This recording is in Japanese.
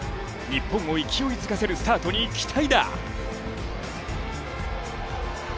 日本を勢いづかせるスタートに期待だ。